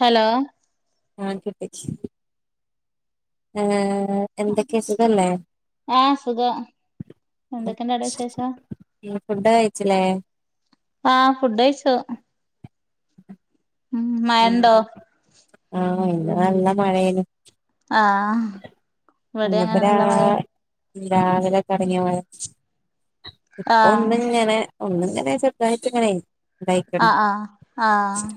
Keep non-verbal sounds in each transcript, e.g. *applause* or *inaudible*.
Hello ആഹ കേട്ടച്ച ഏർ എന്തൊക്കെ ഇതല്ലേ ആഹ് സുഖം എന്തൊക്കെയുണ്ടവിടെ വിശേഷം ഫുഡ് കഴിച്ചില്ലേ ആഹ് ഫുഡ കഴച്ചോ *inaudible* ഉ മന്തോ ആ ഇന്ന നല്ല മഴേന ആഹ ഇവിടെ അങ്ങനെ രാ നല്ല മഴ രാവിലെ കടങ്ങിയ പോ ഇപ്പൊ ആഹ് ഒന്നിങ്ങനെ ഒന്ന ഇങ്ങനെ ചൊയിട്ട ഇങ്ങനെ ഇണ്ടായിക്ക്ണ് ആഹ ആഹ ആഹ്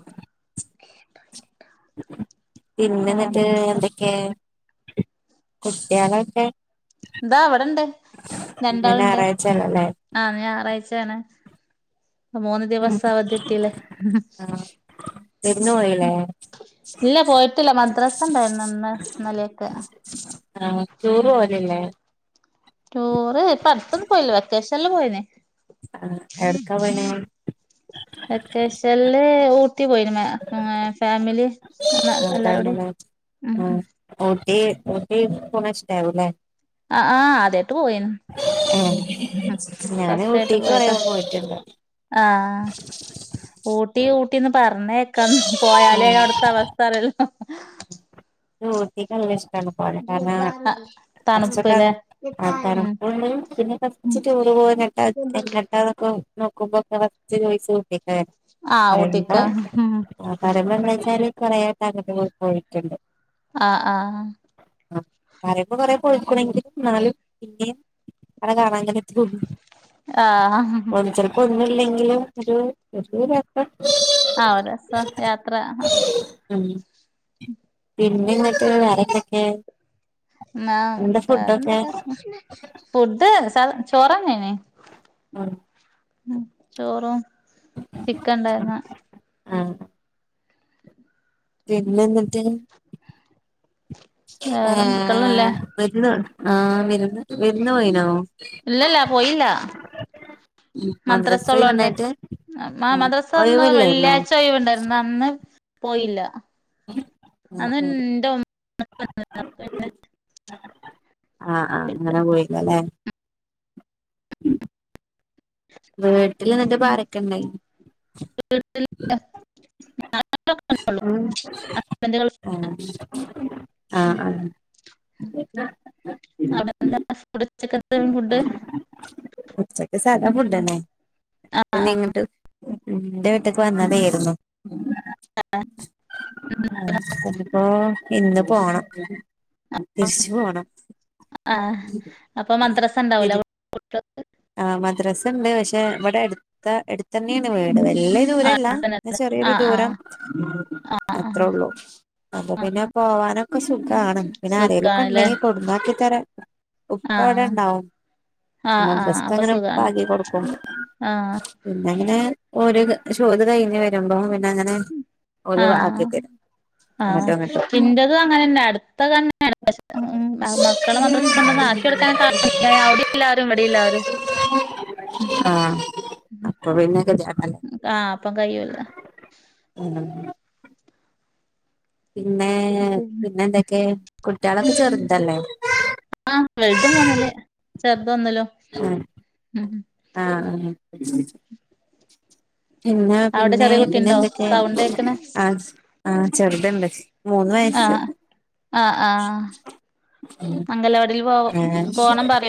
പിന്നെന്നിട്ട് വേറെന്തൊക്കെ എന്തൊക്കെ കുട്ടയാനക്ക എന്താ അവിടെണ്ട് ഇന്ന് രണ്ടാള ഇണ്ട് ഞായറാഴ്ചല്ലല്ലേ ആഹ ഞ ഞായറാഴ്ചയാണ് മൂന്ന് ദിവസവതിട്ടല്ലേ തരുന്നു പോയില്ലേ പോയിട്ടില്ല മദ്രാസ ഉണ്ടായിരുന്നു ഇന്ന് ഇന്നലെയൊക്കെ ആടുറു പോലല്ലേ ചോറെ അത്തൊന്നും പോയില്ലോ വ്യത്യാശല്ലാം പോയനേ ആ എടുക്കാപോയീനെ? വെക്കേഷനില് ഊട്ടി പോയിനിം മേ ഫാമിലി. എല്ലാരൂടി ഉം ആ ഉം ഊട്ടി ഊട്ടി പോവ്ണെ ഇഷ്ടവുംലെ. ആ ആ് അദ്യട്ട് പോയി ഹ് ഏഹ് മം ഞാന് ഫസ്റ്റയിട്ട് ഊട്ടിക്ക് കൊറേ പോയതാ പോയിട്ടുണ്ട് ആ ഊട്ടി ഊട്ടിന്ന് പറഞ്ഞ *unintelligible* പോയാലേ ഉം അവുട്ത്തെ അവസ്ഥറിയൊ ഊട്ടിക്കല്ലേ ഇഷ്ടാണ് പോരാ കാരനാ തണുപ്പ് ലെ ആ തണു പ്പ് പിന്നെ ഫസ്റ്റ് പോയത് എങ്ങട്ടാ നോക്കുമ്പോ കറ പിന്നെ ആഹ് പറയുമ്പോ ഊട്ടിക്കാ ഞമ്മൾ വെച്ചാല് പ *unintelligible* പോയിറ്റ്ഇണ്ട് ആ ആഹ *inaudible* ആഹ് ചിലപ്പോ ഒന്നുല്ലെങ്കിലും ഒരു യാത്ര. ആ ഒരു രെസം യാത്ര ഹാ. മം പിന്നെന്തൊക്കെ വേറെന്തൊക്കെ? ഇന്നാ എന്താ ന്താ ഫുഡൊക്കെ വേറെന്തൊക്കെ ഫുഡ് സാധ ചോറെന്നെ അയ്നിം. ആ മം ചോറും ചിക്കൻ ഉണ്ടയ്ന്നി ആ പിന്നെ ഇന്നട്ട് ആ വേറെ മക്കളില്ലേ വിരുന്ന്ആ വിരുന്ന് വിര്ന്ന്? പോയിനോ ഇല്ലല്ല പോയില്ല മം മദ്രസ മദ്രാസ് ഉള്ളോണ്ട് ഒഴിവ്ഇണ്ടായ്റ്റ് ആ മദ്രാസ ഒന്ന് വെള്ളിയാഴ്ച ഒഴവുണ്ടായിരുന്നു അന്ന് പോയില്ല അന്ന് ഇന്റെ ഉം ആ ആ പോയില്ല അങ്ങനെ പോയീലലെ *inaudible* വീട്ടിൽ ന്നട്ട്പ്പോ ആരൊക്കെ ഇണ്ട്? ആ അവിടെ എന്താ ഫുഡ്‌ ഉച്ചക്കത്തെ ഫുഡ്‌? ഉച്ചക്ക് സാധാ ഫുഡെന്നെ അപ്പൊ ഇങ്ങട്ട് ഇന്റെ വീട്ടേക്ക് വന്നതെര്ന്നു. ആഹ ശ ഓ ഇന്ന് പോണം തിരിച്ചു പോണം. ആ അപ്പൊ മദ്റസ ഇണ്ടാവൂലെ തിരി കു ഇത എടുത്തന്നെണ് വീ വല്ല്യ ദൂരല്ല ഇന്ന ആ ചെറിയൊരു ആ ദൂരം ആ ആ അത്രേ ഉള്ളൂ അപ്പൊ പി പിന്നെ പോവാനൊക്കെ സുഖാണ് പിന്നെ അരയിലൊക്കെ സുഖാണല്ലേ ഇണ്ടെങ്കി കൊടന്നക്കി തര ആ ഉപ്പവിടെ ഇണ്ടാവും ആ ആ മദ്റസ്സ് അപ്പൊ ഇങ്ങനെ സുഖാണ് പാകി കൊടുക്കും ആ പിന്നെങ്ങനെ ഒര് വ്വ് ഷോത് കഴിഞ്ഞ് വരുമ്പോ പിന്നെ അങ്ങനെ ഓല് ആ ആക്കി തെരും. ആ ഇന്റേതും അങ്ങനെന്നെ അടുത്ത തന്നെ മക്കള് മദ്രസ കൊണ്ടന്ന ആ ക്കി കൊടുക്കാന *unintelligible* കാണ അവിടെല്ലാരും ഇവിടെല്ലാരും. മം ആഹ് അപ്പൊ പിന്നെ ഗതികേടല്ലേ മം ആ അപ്പം കയ്യൂല. *inaudible* പിന്നെ പിന്നെ പിന്നെന്തൊക്കെ കുട്ടിയാള്ളൊക്കെ ചെറുതല്ലേ? ആ വലുത് മൂന്നില്. ചെറുത് ഒന്നിലും മം. ഉം പിന്നെ അവിടെ പിന്നെ ചെറിയ കുട്ടിണ്ടോ പിന്നെന്തക്കെ? സൗണ്ട് കേക്ക്ണ് ആ ആ ചെറുതണ്ട് മൂന്ന് വയസ്. ആ ആ അംഗനവാടീല് ആ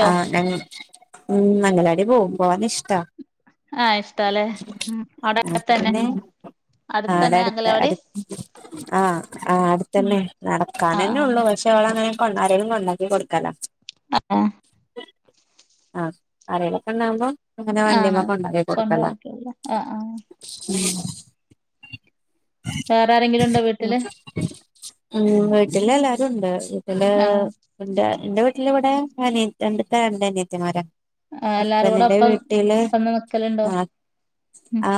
ആ ഞ അംഗനവാടീ പോകും. പോകാനിഷ്ടാ. ആഹ് ഇഷ്ടാല്ലേ ഉം അവിടെ അപ്പ അടുത്തന്നെ പിന്നെ ആടെ അടുത്തന്നെ അടുത്ത് അംഗലവാടി അടു ആ ആ അടുത്തന്നെ ആഹ് നടക്കാനന്നെ ആഹ് ഉള്ളൂ പക്ഷേ ഓളങ്ങനെ കൊണ്ടാരെലും കൊണ്ടാക്കിക്കൊടുക്കും. ആ ആ ആരേലൊക്കണ്ടാവുമ്പം അങ്ങനെ ആഹ് വണ്ടിമ്മക്കെ ഉണ്ടാക്കി കൊടുക്കലാ. കൊണ്ടടക്കല്ല ആഹ് ആഹ് ഉം വേറാരെങ്കിലും ഉണ്ടോ വീട്ടില്? ഉം വീട്ടിലെല്ലാരും ഉണ്ട് വീട്ടില് ആഹ് എന്റെ എന്റെ വീട് ട്ടിലിവിടെ അനിയത്തിയൊണ്ട് ക്ക്‌ രണ്ടനിയത്തിമാരാ ആഹ് എല്ലാരും കൂടെ ഹസ്ബന്റിന്റെ ഒപ്പം വീട്ടില് വന്ന് നിക്കലുണ്ടോ ആ ആ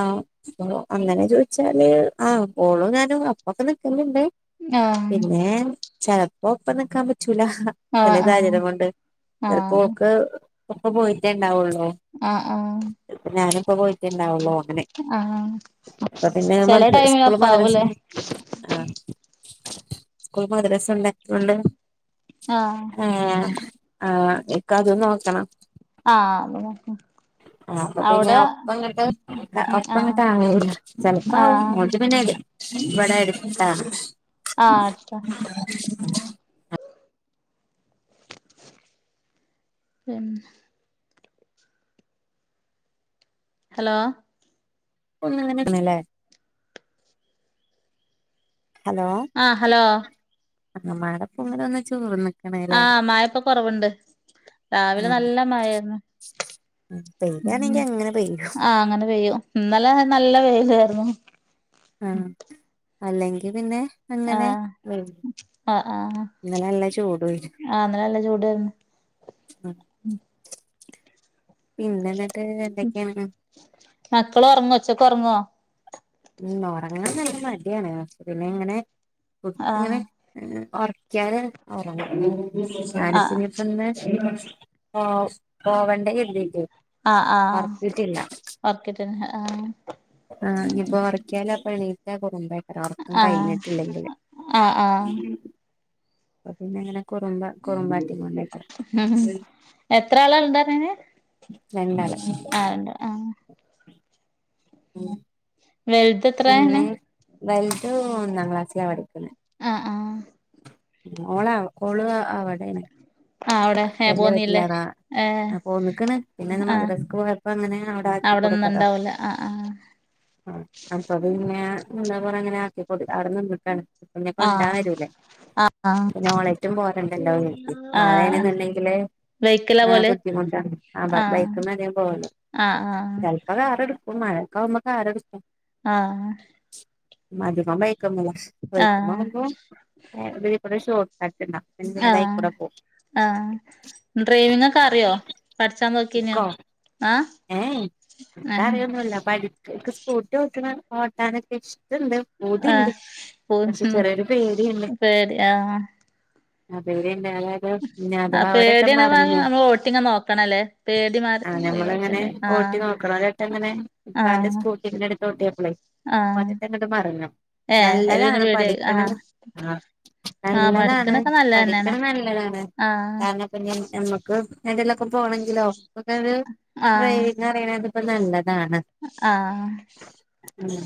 അപ്പ അങ്ങനെ ചോദിച്ചാല് ആ ഓളും ഞാനും അപ്പൊക്കെ നിക്കലണ്ട്. ആഹ് പിന്നെ ചിലപ്പോപ്പന്നൊക്കാൻ പ ചൂല ച ആഹ് സ ആഹ് സാഹചം കൊണ്ട് ആഹ് ചിലപ്പോക്ക് ഒക്കെ പോയിട്ടേ ഒണ്ടാവുള്ളൂ. ആഹ് ആഹ് ഒക്കെ പോയിട്ടുണ്ടാവുള്ളോ? അ ആഹ് അപ്പൊ പിന്നെ മ ചെല ടൈമില് സ്കൂള് മദരസ ഒപ്പാവൂലേ ആ സ്കൂൾ മദ്രസ ഉണ്ടാക്കട്ടുണ്ട്. ആഹ് എക്ക അത നോക്കണം. ആഹ് അതെ. ആ അപ്പൊ പിന്നെ ഒപ്പ ഇങ്ങട്ട് ഉം ആഹ് ഒപ്പങ്ങോട്ട ആല്ല ചിലപ്പ ആവും ആഹ് മോട്ട പിന്നെല്ല ഇവിടെ എടുക്ക ആഹ് അത. പിന്നെ ഹലോ? ല്ലേ ഹലോ ആഹ് ഹലോ? ആ മാടപ്പ ഇങ്ങനെന്ന ചോറ്ന്ന. ആഹ് മായപ്പോ കൊറവുണ്ട് രാവിലെ ഉം നല്ല മായായിന്ന്. ഉം ഉം പെയ്യാണെങ്കി അങ്ങനെ പെയ്യും ആഹ് അങ്ങനെ വെയ്യു ഇന്നലെ നല്ല വെയിലായിരുന്നു. ആ അല്ലെങ്കി പിന്നെ ആ അങ്ങനെ വെയില് ആ ആ ഇന്നലെ നല്ല ചൂടും ആ ഇന്നലെ നല്ല ചൂടായിന്ന് ആ പിന്ന എന്നിട്ട് എന്തൊക്കെയ മക്കള് ഒറങ്ങോ ഉച്ചക്ക് ഒറങ്ങേ ഉറങ്ങാൻ നല്ല മടിയാണ് പിന്നെ ഇങ്ങനെ കുറച്ച്ങ്ങനെ ആഹ് ഒറക്കാല് ഒറങ്ങ ആഹ് *unintelligible* ആ പോവണ്ട കരുതിട്ട് *unintelligible* ആ ആ ഓർക്ക *unintelligible* ആ ആ ഇപ്പൊ ഉറക്കിയാലും ഇപ്പോ എണീറ്റാ കുറമ്പായി ഒറക്കം ആഹ് കഴിഞ്ഞിട്ടില്ലെങ്കില് ആഹ് ആഹ് പിന്നെ എങ്ങനെ കറുമ്പ കുറുമ്പൻ മം എത്ര ആളാ ഉണ്ട് പറണേ രണ്ടാൾ മം വെലതത്രയാണ് വലുത് ഒന്നാം ക്ലാസ്സില പഠിക്ക്ണെ ആ ആ ഓളാ ഓള് അവടെണ് ആ അവിടെ എ പോന്നീല്ലേ ആ പോന്നിക്കണ് പിന്നെന്ന് മദ്രസക്ക് പോയപ്പോ അങ്ങനെയാണ് അവിടെ ആക്കി കൊടുത്തതാ അവിടെന്നുണ്ടാവൂല ആ ആ ആ അപ്പൊ അത്ങ്ങെ എന്താ പറ അങ്ങനെ ആക്കി കൊ അവിടെ നിന്നിട്ടാണ് ന്നെക്കെ *unintelligible* കൊണ്ടാൻ ആ വരൂലേ ആ പിന്നെ ഓളറ്റും പോരണ്ടല്ലോ കരുതി ആ ആ മാഴ ണ്ടെങ്കില് *unintelligible* വെയ്ക്കിലാ ആ പോവല് ബുദ്ധിമുട്ടാണ് ആ ബൈക്കധികം പോകല്ല ആ ആ ചെലപ്പോ കാറെ എടുക്കും. മഴക്കാവുമ്പോ കാറെടുക്കും. ആ മദ്യപാനം വഴക്കൊന്നും ഇല്ല ആ വഴക്കുമ്പുമ്പ *unintelligible* ഷോർട്ട് *unintelligible* കട്ട് *unintelligible* പിന്നെ ആ അത് ആയിക്കൂടെ പോകും. ആ ഡ്രൈവിംഗ് ഒക്കെ അറിയോ പഠിച്ചാ നോക്കീനോ ആഹ് എനക്ക് അറിയൊന്നുല്ല പഠി സ്കൂട്ടിഓ ട്ട്നേ ഓട്ടാനൊക്കെ ഇണ്ട് ആ പൂതിണ്ട് പോ പക്ഷെ ചെറിയൊരു പേടിയണ്ട്. പേടി ആ അതേരിന്ത *unintelligible* ആ അഥവാ അവരക്കെ പേടിയാണ് ഭാഗം മറഞ്ഞു നമ്മള് വോട്ടിങ് നോക്കണല്ലേ പേടി മാറി ആ ഞമ്മളങ്ങനെ ഒഴിവാക്കണ്ടേ ഓട്ടി ആഹ് നോക്കണം ഒരട്ടങ്ങനെ ഇപ്പാന്റെ ആഹ് സ്കൂട്ടിെ എടുത്ത ഓട്ടിപ്പള് ആഹ് ഓനേയ്ട്ടഗാ ട്ട് മറഞ്ഞു ഏഹ് അയില് പിന്നെ നല്ലതാണ് പേടിയായി ആഹ് പഠിക്കണന്ന് ആ ആഹ് നല്ലതാണ് പഠിക്കണൊക്കെ നല്ലതന്നെയാണ് പഠിക്കണം നല്ലതാണ് ആഹ് കാരണംപ്പ ഞ നമ്മുക്ക് എടെലൊക്കെ പോണമെങ്കിലോ ഒരു ഡ്രൈറണ *unintelligible* കണ്ടെ ആ ഉ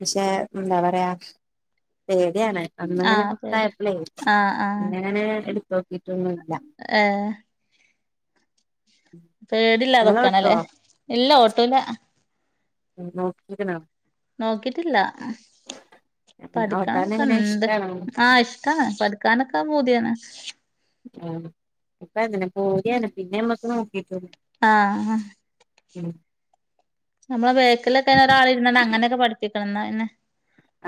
പക്ഷെ എന്താ പറയാ പെ പേടിയാണ് അന്നങ്ങനെ ആഹ് പേടി ഉണ്ടായപ്പള് പി ആഹ് ന്ന അങ്ങനെ എടുത്ത നോക്കിട്ടൊന്നു ഹേ പേടില്ല നിങ്ങള് ഓട്ടോ അതൊക്കെയണല്ലേ ഇല്ല ഓട്ടു ല നോക്കിക്ക്ണോ നോക്കിട്ടില്ല ഓട്ടാൻ പഠിക്കാനന്നൊക്കെ എങ്ങനെ ഇണ്ട് ഇഷ്ടാണോ ആ ഇഷ്ടാണ് പഠിക്കാനൊക്കെ പൂ തിയാണ് ആ അപ്പൊ അങ്ങെ പേടിയാണ് പിന്നെമ്മക്ക് നോക്കിട്ടു ആ ഉം നമ്മളെ ബേക്കിലൊക്കെ ഒരാള് ഇരുന്നാണ്ട് അങ്ങനെയൊക്കെ പഠിപ്പിക്കണം ഇന്നാ പിന്നെ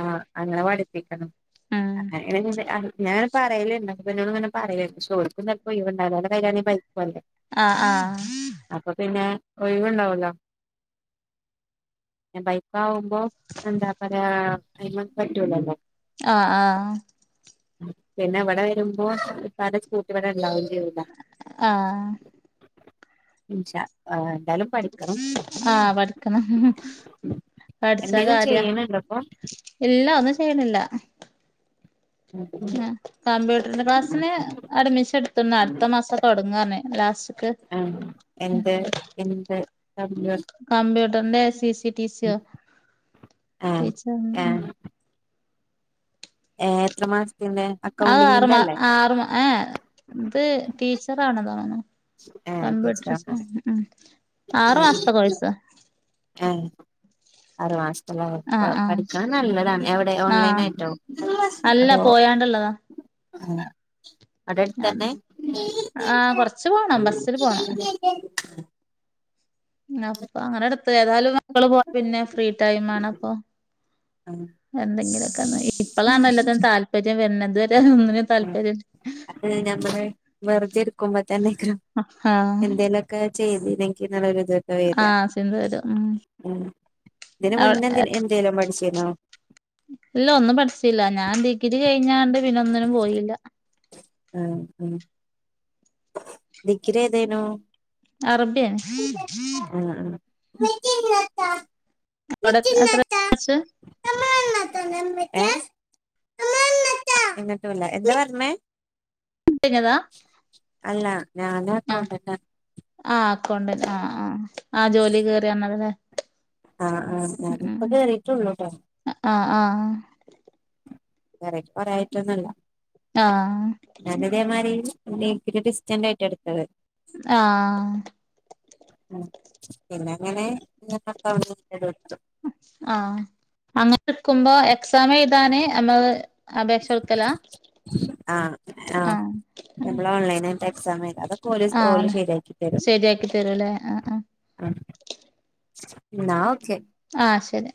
ആ അങ്ങനെ പഠിപ്പിക്കണം ഉം *unintelligible* അ ഞ പറയലണ്ട് ഹസ്ബന്റിനോട് അ ങ്ങനെ പറല പക്ഷെ ഓൽക്കൊന്നും ഒഴിവുണ്ടാവില്ല അ കൈണ പൈക്കല്ലേ *unintelligible* ആഹ് ആഹ് അപ്പൊ പിന്നെ ഒഴിവുണ്ടാവല്ലോ ബൈക്ക് ആവും അ എന്താ പറയാ അയ്മ പറ്റുലാല്ലോ ആ ആ പിന്നെ ഇവിടെ വരുമ്പോ ഇപ്പാന്റെ സ്കൂട്ടി ഇവിടെ ഉണ്ടാവ ആ *unintelligible* ആ ആ പഠിക്കണം പടിച്ച എന്തേലും കാര്യ ചെയ്യണുണ്ടോ ഇപ്പൊ ഇല്ല ഒന്നും ചെയ്യണില്ല ഉം *unintelligible* ആ കമ്പ്യൂട്ടറിന്റെ ക്ലാസ്സിന് അഡ്മിഷൻ എടുത്തണ്ട് അടുത്ത മാസം തുടങ്ങന്ന ലാസ്റ്റ് ത്ത് ആഹ് എന്ത് കമ്പ്യൂട്ടർ കമ്പ്യൂട്ടറിന്റെറെ സി സ ടി ആഹ് സോച്ച ഏ എത്ര മാസത്തിന്റെ അക്കൗണ്ടിങ്ങിന്റെല്ലേ ഏ ഇത് ടീച്ചറണ തോന്നുന്നു ഏഹ് ടീച്ചറാ കമ്പ്യൂട്ടർ ആറു മാസത്തെ കോഴസ് അറവാ ആഹ് പഠിക്കൻ നല്ലതാണ് എവിടെ ഓൺലൈൻ ആഹ് ആയിട്ടോ അതോ താ അവിടെ അടുത് തന്നെ ആഹ് കൊറച്ച് പോണം ബസ്സില് പോണം *unintelligible* അപ്പൊ അങ്ങനെ എടുത്ത ഏതായാലും മള് പോ പിന്നെ ഫ്രീ ടൈം ആണ് അപ്പൊ എന്തെങ്കിലുമൊക്കെ ഇപ്പളാണോ എല്ലാത്തിനും താല്പര്യം വര എതു വരെ ഒന്നിനും താല്പര്യം അ നഞമ്മള് വെറുതെ എടുക്കുമ്പോ തന്നെക്ക ആഹ് എന്തേലുമൊക്കെ ചെയ്തി എനിക്ക് നല്ലരു ഇതൊക്കെ വരി ആഹ് സിന്ധു വരും ഉം ഉ ഇതിന് അവിടെ മുന്നന് എന്തേലോ പഠിച്ചന്നോ ഇല്ല ഒന്നും പഠിച്ചില്ല ഞാൻ ഡിഗ്രി കഴിഞ്ഞാണ്ട് പിന്ന ഒന്നിനും പോയില്ല ആ ഉ ദക്കിര തേനോ അറബി മറ്റി ലാ *inaudible* അവിടെ അത്ര എന്നിട്ടല്ല എന്താ പറഞ്ഞേ ട്ട കതാ അല്ല ഞാൻ ആ അക്കൗണ്ടന്റ് ആ അക്കൗണ്ട് ആ ആ് ആ ജോലി കേയറിയാണതല്ലെ ആ ആ ഞൻ ഇപ്പൊ കേറിട്ടള്ളൂട്ടോ ആ വറ പറായിട്ടൊന്നല്ല ആഹ് ല്ലതേമാരി എ ഒരു ഡിസ്റ്റൻറ് ആയിട്ട് എടുത്തത് ആ ഉ പിന്നെ അങ്ങനെക്ക ആ അങ്ങന ക്കുമ്പോ എക്സാം എഴുതാനേ നമ്മള് അപേക്ഷ കൊടുക്കല ആ എള ഓൺലൈന എക്സാം ആ അതൊക്കെ ഓ ഓല ആഹ് ശരിയാക്കി തരും ശരിയാക്കി തരൂല്ലേ ആഹ് ആഹ് ആ ന ആ ശരി